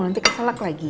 nanti keselak lagi